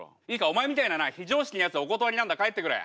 お前みたいなな非常識なやつはお断りなんだ帰ってくれ。